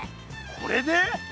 これで？